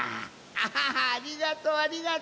アハハッありがとありがと。